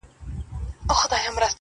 څنگه دې پر مخ د دنيا نم راغلی_